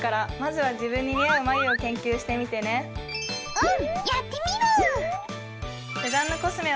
うん！